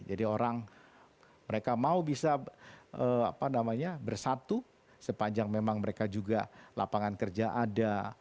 jadi orang mereka mau bisa bersatu sepanjang memang mereka juga lapangan kerja ada